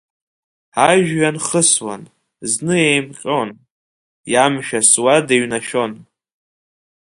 Ажәҩан хысуан, зны еимҟьон, иамшәаз суада иҩнашәон.